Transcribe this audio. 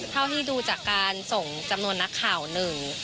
เท่าที่ดูจากการส่งจำนวนนักข่าวหนึ่ง